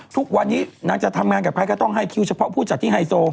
ทุกวันนี้นางจะทำงานกับใครก็ต้องให้คิวเฉพาะผู้จัดที่ไฮโซ